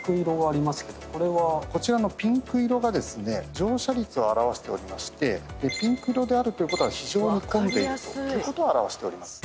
こちらのピンク色が乗車率を表しておりましてピンク色であるということは非常に混んでいるということを表しております。